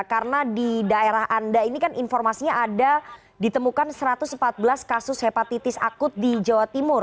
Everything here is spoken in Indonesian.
karena di daerah anda ini kan informasinya ada ditemukan satu ratus empat belas kasus hepatitis akut di jawa timur